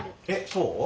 そう？